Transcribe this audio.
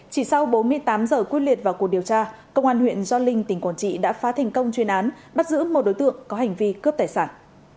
chỉ sau bốn mươi tám giờ quyết liệt vào cuộc điều tra công an huyện gio linh tỉnh quảng trị đã phá thành công chuyên án bắt giữ một đối tượng có hành vi cướp tài sản